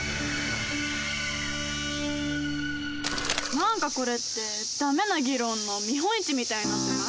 何かこれって駄目な議論の見本市みたいになってない？